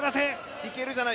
いけるじゃない！